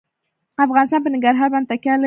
افغانستان په ننګرهار باندې تکیه لري.